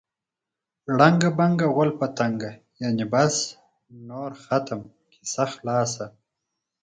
ړنګه بنګه غول په تنګه. یعنې بس نور ختم، کیسه خلاصه.